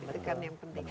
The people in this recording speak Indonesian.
itu kan yang penting